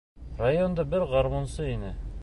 Районда бер гармунсы ине.